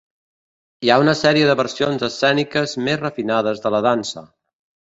Hi ha una sèrie de versions escèniques més refinades de la dansa.